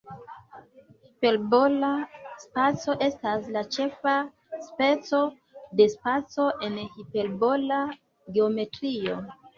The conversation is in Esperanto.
Hiperbola spaco estas la ĉefa speco de spaco en hiperbola geometrio.